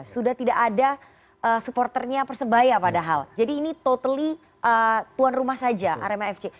sudah tidak ada supporternya persebaya padahal jadi ini totally tuan rumah saja arema fc